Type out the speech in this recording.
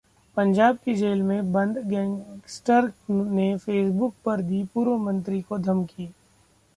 पंजाब की जेल में बंद गैंगस्टर ने फेसबुक पर दी पूर्व मंत्री को धमकी